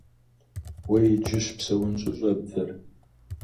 Уэ иджыщ псэун щыщӏэбдзэр.